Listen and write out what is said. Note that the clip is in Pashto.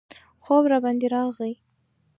خوب راباندې راغی.